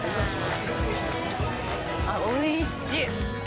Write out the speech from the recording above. あっ、おいしい！